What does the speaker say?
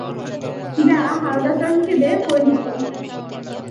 যা হালদা চর হিসাবে পরিচিত।